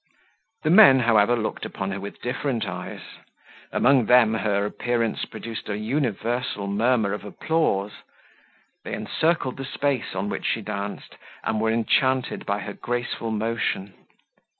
The men, however, looked upon her with different eyes; among them her appearance produced a universal murmur of applause: they encircled the space on which she danced, and were enchanted by her graceful motion.